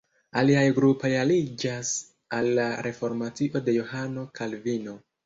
Aliaj grupoj aliĝas al la reformacio de Johano Kalvino.